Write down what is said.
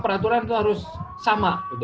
peraturan itu harus sama